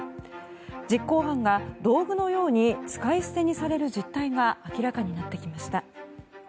実行犯が道具のように使い捨てにされる実態が明らかになってきました。